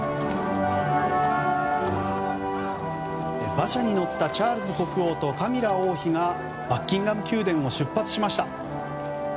馬車に乗ったチャールズ国王とカミラ王妃がバッキンガム宮殿を出発しました。